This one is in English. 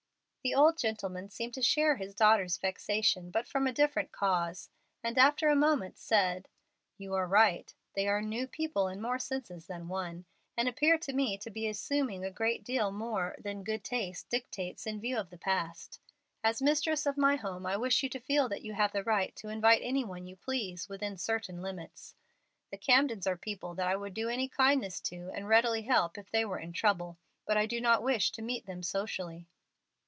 The old gentleman seemed to share his daughter's vexation, but from a different cause, and after a moment said, "You are right; they are 'new people' in more senses than one, and appear to me to be assuming a great deal more than good taste dictates in view of the past. As mistress of my home I wish you to feel that you have the right to invite any one you please, within certain limits. The Camdens are people that I would do any kindness to and readily help if they were in trouble, but I do not wish to meet them socially."